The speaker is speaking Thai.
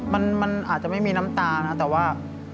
มันอาจจะไม่มีน้ำตานะแต่ว่า